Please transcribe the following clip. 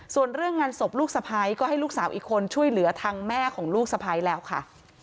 ส่วนเรื่องงานศพลูกสะพ้ายก็ให้ลูกสาวอีกคนช่วยเหลือทางแม่ของลูกสะพ้ายแล้วค่ะ